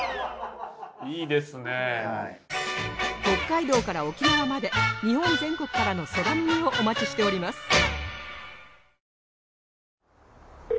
北海道から沖縄まで日本全国からの空耳をお待ちしております